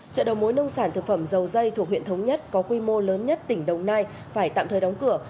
chợ đầu mối nông sản thực phẩm dầu dây thuộc huyện thống nhất có quy mô lớn nhất tỉnh đồng nai phải tạm thời đóng cửa